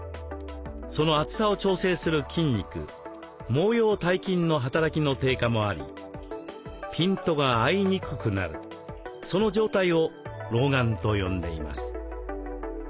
その厚さを調整する筋肉毛様体筋の働きの低下もありピントが合いにくくなるその状態を老眼と呼んでいます。